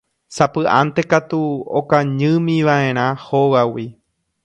Sapy'ánte katu okañýmiva'erã hógagui.